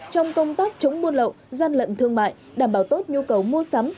trong công tác chống buôn lậu gian lận thương mại đảm bảo tốt nhu cầu mua sắm